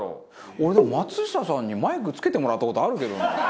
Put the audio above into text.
俺でも松下さんにマイク付けてもらった事あるけどな。